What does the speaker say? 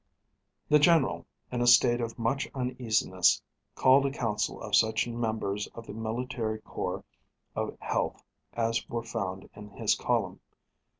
The general, in a state of much uneasiness, called a council of such members of the military corps of health as were found in his column.